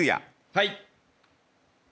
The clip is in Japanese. はい。